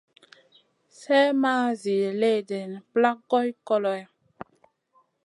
Slèh ma zi léhdéna plak goy koloy.